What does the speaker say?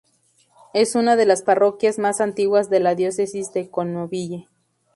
Es una de las parroquias más antiguas de la diócesis de Knoxville.